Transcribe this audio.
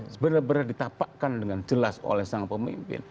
sebenarnya ditapakkan dengan jelas oleh sang pemimpin